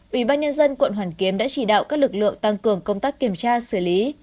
ủy ban nhân dân quận hoàn kiếm đã chỉ đạo các lực lượng tăng cường công tác kiểm tra xử lý